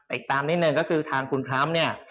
อีกตามนิดหนึ่งก็คือทางคุณพร้อมเนี่ย